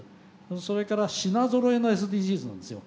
それから品ぞろえのＳＤＧｓなんですよ。